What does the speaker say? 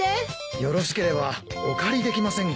よろしければお借りできませんか？